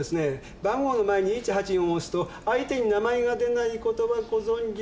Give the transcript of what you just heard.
番号の前に「１」「８」「４」を押すと相手に名前が出ないことはご存じですね？